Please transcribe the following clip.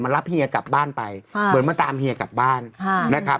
รับเฮียกลับบ้านไปเหมือนมาตามเฮียกลับบ้านนะครับ